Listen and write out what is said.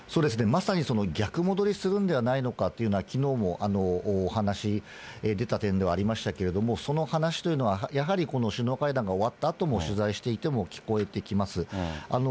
まさにその逆戻りするんではないのかというのは、きのうもお話出た点ではありましたけれども、その話というのは、やはりこの首脳会談が終わったあとも取材していても、聞こえてきます。